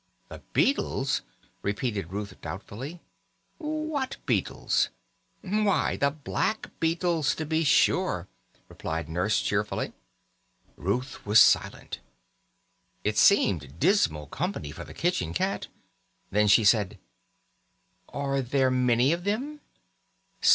"The beadles!" repeated Ruth doubtfully. "What beadles?" "Why, the black beadles, to be sure," replied Nurse cheerfully. Ruth was silent. It seemed dismal company for the kitchen cat. Then she said: "Are there many of them?"